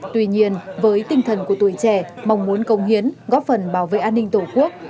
tuy nhiên với tinh thần của tuổi trẻ mong muốn công hiến góp phần bảo vệ an ninh tổ quốc